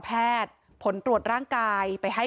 แต่เธอก็ไม่ละความพยายาม